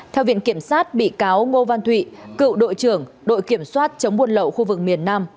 theo viện kiểm sát bị cáo ngô văn thụy cựu đội trưởng đội kiểm soát chống buôn lậu khu vực miền nam